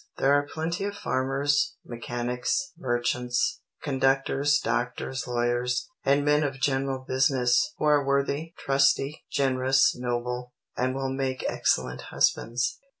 There are plenty of farmers, mechanics, merchants, conductors, doctors, lawyers, and men of general business, who are worthy, trusty, generous, noble, and will make excellent husbands.